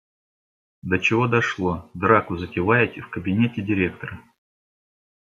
До чего дошло - драку затеваете в кабинете директора.